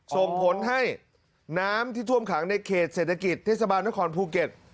ส่งผลให้น้ำที่ท่วมขังในเขตเศรษฐกิจเทศบาลนครภูเก็ต